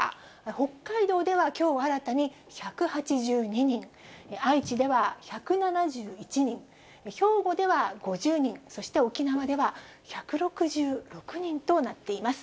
北海道ではきょう新たに１８２人、愛知では１７１人、兵庫では５０人、そして沖縄では１６６人となっています。